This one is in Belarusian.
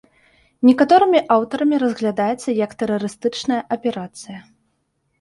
Некаторымі аўтарамі разглядаецца як тэрарыстычная аперацыя.